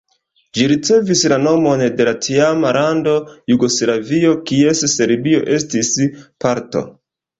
Ĝi ricevis la nomon de la tiama lando Jugoslavio, kies Serbio estis parto.